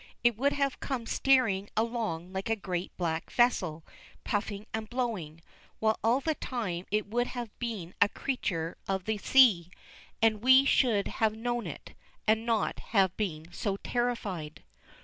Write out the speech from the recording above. It would have come steering along like a great black vessel, puffing and blowing, while all the time it would have been a creature of the sea, and we should have known it, and not have been so terrified.